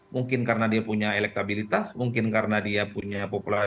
mungkin karena dia punya elektabilitas mungkin karena dia punya populasi